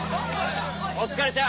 お疲れちゃん。